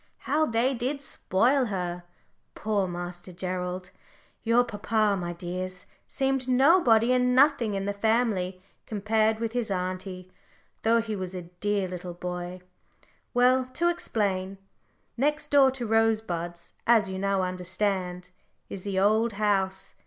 How they did spoil her! Poor Master Gerald your papa, my dears, seemed nobody and nothing in the family, compared with his auntie, though he was a dear little boy. Well, to explain next door to Rosebuds, as you now understand, is the Old House.